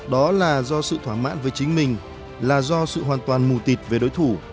đó là do sự thỏa mãn với chính mình là do sự hoàn toàn mù tịt về đối thủ